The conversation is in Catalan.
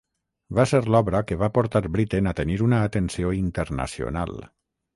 Va ser l'obra que va portar Britten a tenir una atenció internacional.